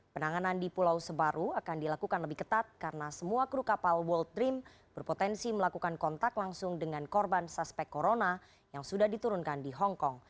penanganan di pulau sebaru akan dilakukan lebih ketat karena semua kru kapal world dream berpotensi melakukan kontak langsung dengan korban suspek corona yang sudah diturunkan di hongkong